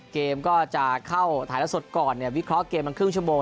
เกมก็จะเข้าถ่ายละสดก่อนเนี่ยวิเคราะห์เกมมันครึ่งชั่วโมง